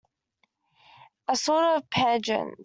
A sort of pageant.